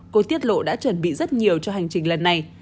cô tiết lộ đã chuẩn bị rất nhiều cho hành trình lần này